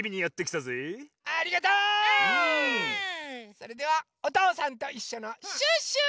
それでは「おとうさんといっしょ」のシュッシュ！